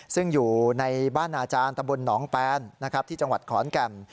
ซึ่งอยู่ในบ้านอาจารย์ตำบลหนองแปนที่จังหวัดขอนแก่น